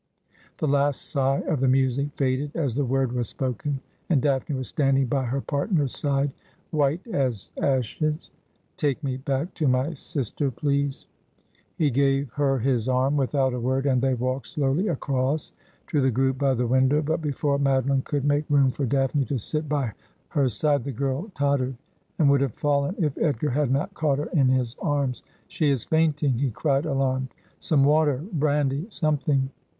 The last sigh of the music faded as the word was spoken, and Daphne was standing by her partner's side white as ashes. ' Take me back to my sister, please.' He gave her his arm without a word, and they walked slowly across to the group by the window ; but before Mado line could make room for Daphne to sit hy her side the girl tottered, and would have fallen, if Edgar had not caught her in his arms. ' She is fainting!' he cried, alarmed. 'Some water — brandy — something